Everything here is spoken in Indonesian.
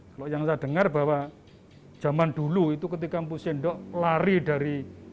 kalau yang saya dengar bahwa zaman dulu itu ketika empusindo lari dari